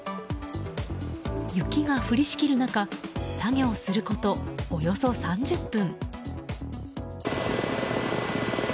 雪が降りしきる中作業することおよそ３０分。